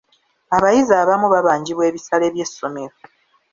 Abayizi abamu babanjibwa ebisale by'essomero.